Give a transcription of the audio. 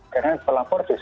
karena pelapor itu